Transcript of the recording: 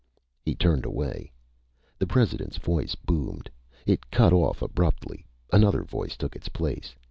He turned away. The President's voice boomed. It cut off abruptly. Another voice took its place.